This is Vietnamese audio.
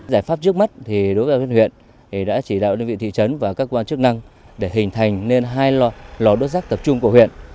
giải pháp trước mắt thì đối với huyện đã chỉ đạo đơn vị thị trấn và các quan chức năng để hình thành nên hai lò đốt rác tập trung của huyện